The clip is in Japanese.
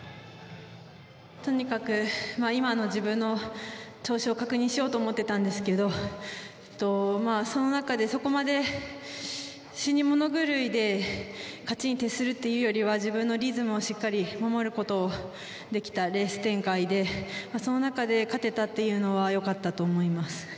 とにかく今の自分の調子を確認しようと思ってたんですけどその中でそこまで死に物狂いで勝ちに徹するっていうよりは自分のリズムをしっかり守ることをできたレース展開でその中で勝てたっていうのはよかったと思います